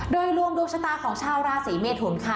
โดยรวมดวงชะตาของชาวราศีเมทุนค่ะ